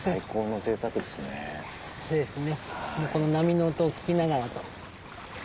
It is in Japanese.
もうこの波の音を聞きながらと。